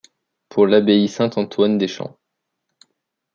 Pour l’abbaye Saint-Antoine des Champs